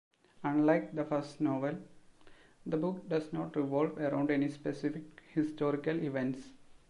Unlike the first novel, the book does not revolve around any specific historical events.